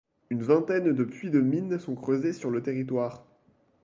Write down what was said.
Une vingtaine de puits de mines sont creusés sur le territoire.